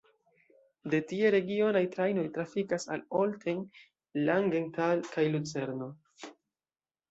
De tie regionaj trajnoj trafikas al Olten, Langenthal kaj Lucerno.